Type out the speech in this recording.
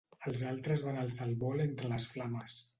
Els altres van alçar el vol entre les flames.